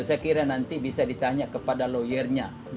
saya kira nanti bisa ditanya kepada lawyernya